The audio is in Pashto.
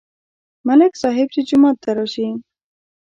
ملک صاحب چې جومات ته راشي.